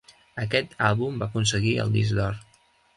Aquest àlbum va aconseguir el disc d'or.